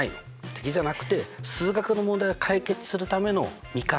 敵じゃなくて数学の問題を解決するための味方。